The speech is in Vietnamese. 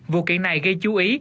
vụ kiện này gây chú ý